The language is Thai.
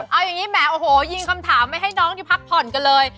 เอาอย่างนี้แหมโอ้โหยิงคำถามไม่ให้น้องที่พักผ่อนกันเลย